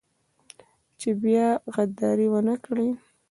چې بيا غداري ونه کړي.